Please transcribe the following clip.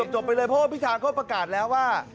จบไปเลยเพราะว่าพิธาก็ประกาศแล้วว่า